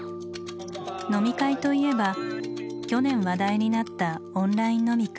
飲み会といえば去年話題になった「オンライン飲み会」。